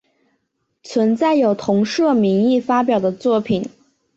存在有同社名义发表的作品。